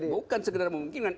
bukan sekedar memungkinkan